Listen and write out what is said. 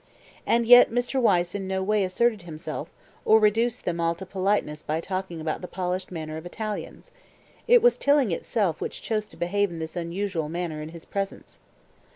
And yet Mr. Wyse in no way asserted himself, or reduced them all to politeness by talking about the polished manner of Italians; it was Tilling itself which chose to behave in this unusual manner in his presence.